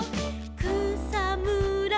「くさむら